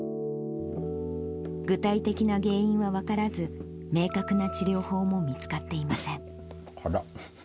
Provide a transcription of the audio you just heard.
具体的な原因は分からず、明確な治療法も見つかっていません。